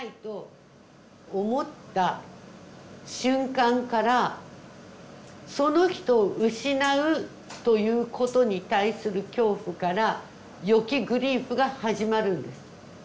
思った瞬間からその人を失うということに対する恐怖から予期グリーフが始まるんです。